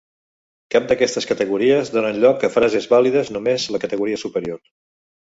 Cap d'aquestes categories donen lloc a frases vàlides només la categoria superior.